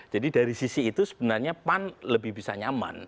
jadi dari sisi itu sebenarnya pan lebih bisa nyaman